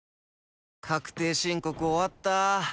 確定申告終わった。